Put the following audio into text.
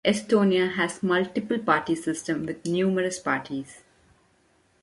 Estonia has a multi-party system with numerous parties.